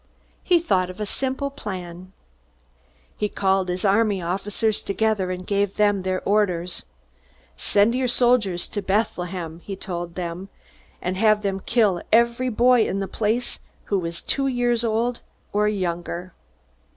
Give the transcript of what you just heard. He thought of a simple plan. He called his army officers together, and gave them their orders. "Send your soldiers to Bethlehem," he told them, "and have them kill every boy in the place who is two years old or younger."